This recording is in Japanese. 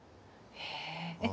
へえ。